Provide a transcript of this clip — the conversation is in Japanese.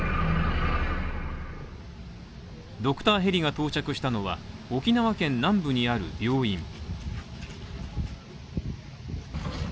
ドクターヘリが到着したのは沖縄県南部にある病院。